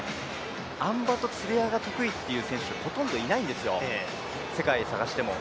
あん馬とつり輪が得意って選手ほとんどいないんですよ、世界で探しても。